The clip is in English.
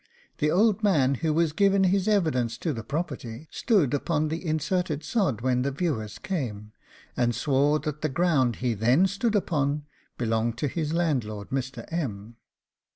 The old man, who was to give his evidence as to the property, stood upon the inserted sod when the VIEWERS came, and swore that the ground he THEN STOOD UPON belonged to his landlord, Mr. M.